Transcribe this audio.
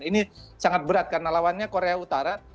ini sangat berat karena lawannya korea utara